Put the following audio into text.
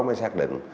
mới xác định